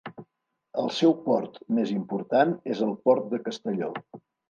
El seu port més important és el port de Castelló.